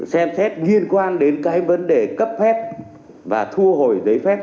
xem xét liên quan đến cái vấn đề cấp phép và thu hồi giấy phép